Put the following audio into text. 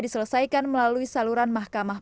diselesaikan melalui saluran mahkamah